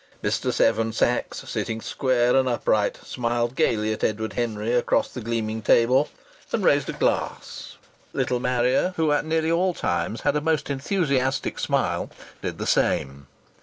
Mr. Seven Sachs, sitting square and upright, smiled gaily at Edward Henry across the gleaming table and raised a glass. Little Marrier, who at nearly all times had a most enthusiastic smile, did the same.